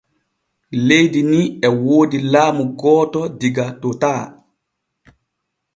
Leydi ni o woodi laamu gooto diga totaa.